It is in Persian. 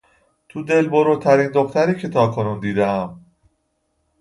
تو دل بروترین دختری که تاکنون دیدهام